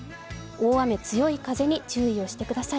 大雨、強い風に注意をしてください